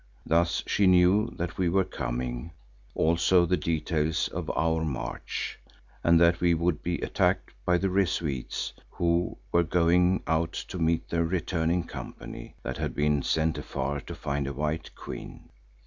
Thus she knew that we were coming, also the details of our march and that we should be attacked by the Rezuites who were going out to meet their returning company that had been sent afar to find a white queen.